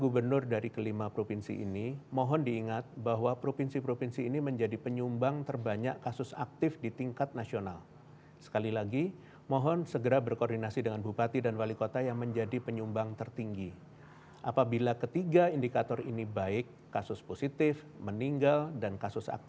bagaimana satgas merespon sudah